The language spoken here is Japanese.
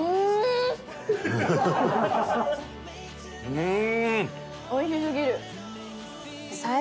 うん！